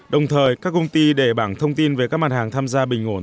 đồng thời các công ty để bảng thông tin về các mặt hàng tham gia bình ổn